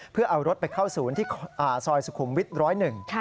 เพื่อเอารถไปเข้าศูนย์ที่ซอยสุขุมวิทย์๑๐๑